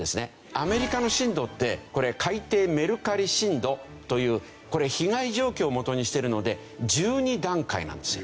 アメリカの震度ってこれ改訂メルカリ震度という被害状況をもとにしてるので１２段階なんですよ。